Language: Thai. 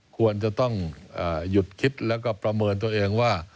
ควรจะต้องหยุดคิดแล้วก็ประเมินตัวเองว่า